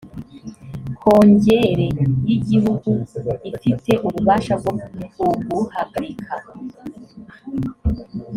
kongere y’igihugu ifite ububasha bwo kuguhagarika